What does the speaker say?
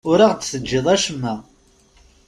Ur aɣ-d-teǧǧiḍ acemma.